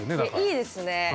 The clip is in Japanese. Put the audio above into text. いいですね。